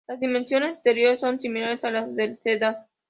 Las dimensiones exteriores son similares a las del sedán.